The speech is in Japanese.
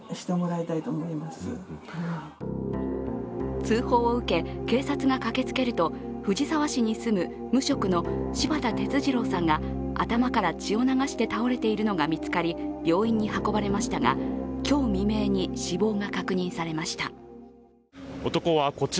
通報を受け警察が駆けつけると藤沢市に住む無職の柴田哲二郎さんが頭から血を流して倒れているのが見つかり病院に運ばれましたが今日未明に死亡が確認されました。